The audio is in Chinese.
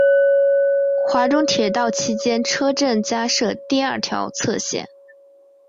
华中铁道期间车站加设第二条侧线。